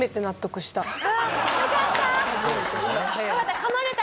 よかった！